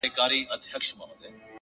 هينداره وي چي هغه راسي خو بارانه نه يې ـ